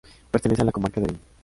Pertenece a la comarca de Verín.